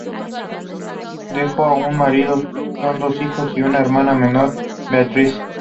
Dejó un marido, sus dos hijos y una hermana menor, Beatrice.